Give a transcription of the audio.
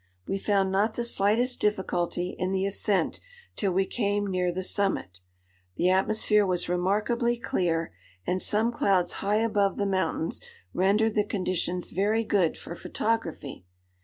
We found not the slightest difficulty in the ascent till we came near the summit. The atmosphere was remarkably clear, and some clouds high above the mountains rendered the conditions very good for photography.